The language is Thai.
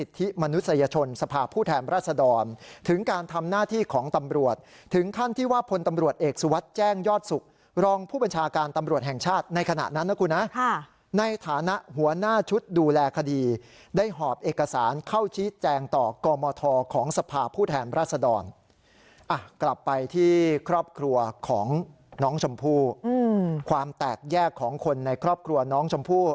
ถึงการทำหน้าที่ของตำรวจถึงขั้นที่ว่าผลตำรวจเอกสุวัสดิ์แจ้งยอดศุกร์รองผู้บัญชาการตำรวจแห่งชาติในขณะนั้นนะครับคุณนะค่ะในฐานะหัวหน้าชุดดูแลคดีได้หอบเอกสารเข้าชี้แจงต่อกรมทอของสภาพผู้แทนรัศดรกลับไปที่ครอบครัวของน้องชมพู่อืมความแตกแยกของคนในครอบครัวน้อง